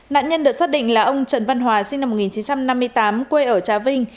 nạn nhân được xác định là ông trần văn hòa sinh năm một nghìn chín trăm năm mươi tám quê ở trà vinh